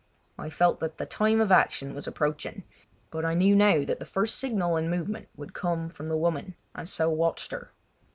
I felt that the time of action was approaching, but I knew now that the first signal and movement would come from the woman, and so watched her.